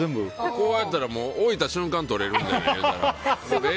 こうやったら置いた瞬間とれるので。